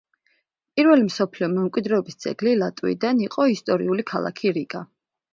პირველი მსოფლიო მემკვიდრეობის ძეგლი ლატვიიდან იყო ისტორიული ქალაქი რიგა.